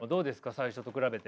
最初と比べて。